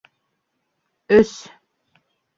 Өс!